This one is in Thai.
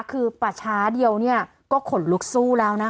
คือป่าช้าเดียวเนี่ยก็ขนลุกสู้แล้วนะคะ